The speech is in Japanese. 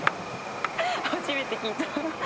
初めて聞いた。